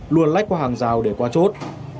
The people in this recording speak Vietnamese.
luôn lách qua hàng rào để qua chốt